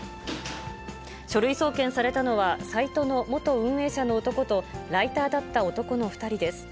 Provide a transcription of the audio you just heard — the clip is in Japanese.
書類送検されたのは、サイトの元運営者の男と、ライターだった男の２人です。